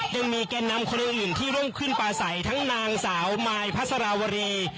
ยังมีแก่นำคนอื่นที่ร่วมขึ้นปลาใสทั้งนางสาวมายพัสราวรี